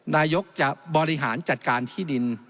นายกจะบริหารจัดการที่ดิน